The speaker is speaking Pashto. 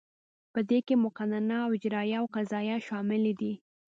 په دې کې مقننه او اجراییه او قضاییه شاملې دي.